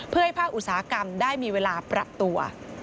เพื่อให้ภาคอุตสาหกรรมได้มีเวลาปรับตัว